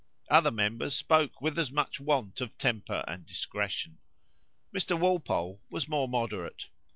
Other members spoke with as much want of temper and discretion. Mr. Walpole was more moderate.